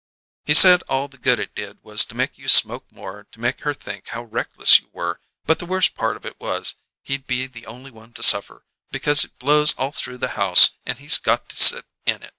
He said all the good it did was to make you smoke more to make her think how reckless you were; but the worst part of it was, he'd be the only one to suffer, because it blows all through the house and he's got to sit in it.